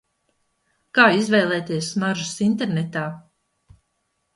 Kā izvēlēties smaržas internetā?